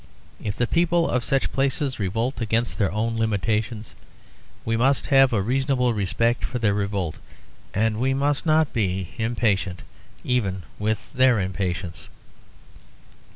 If the people of such places revolt against their own limitations, we must have a reasonable respect for their revolt, and we must not be impatient even with their impatience.